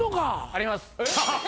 あります。